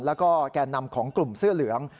แล้วก็แก่นำของกลุ่มเสื้อเหลือง